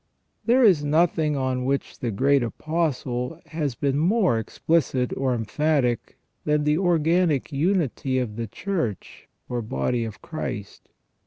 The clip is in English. There is nothing on which the great Apostle has been more explicit or emphatic than the organic unity of the Church or body of Christ.